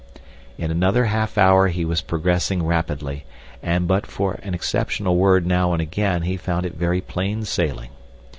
In another half hour he was progressing rapidly, and, but for an exceptional word now and again, he found it very plain sailing.